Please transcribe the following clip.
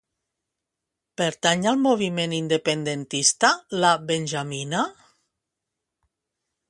Pertany al moviment independentista la Benjamina?